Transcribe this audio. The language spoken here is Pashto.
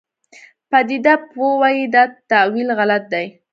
پدیده پوه وایي دا تاویل غلط دی.